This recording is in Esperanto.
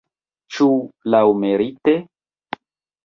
Ĉu laŭmerite?